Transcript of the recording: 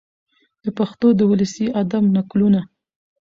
د پښتو د ولسي ادب نکلونه،